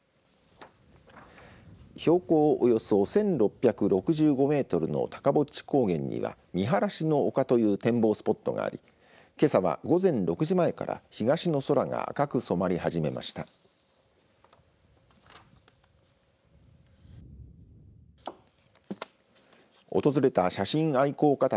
標高およそ１６６５メートルの高ボッチ高原には見晴らしの丘という展望スポットがあり、けさは午前６時前から東の空が赤く染まりはじめました。